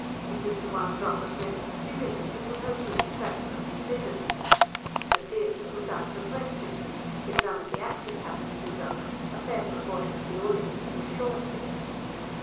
It was the one drop of mental stimulant he could hope to extract from his visit. The theatre was out of the question: if none of the actors happened to be drunk, a fair proportion of the audience was sure to be.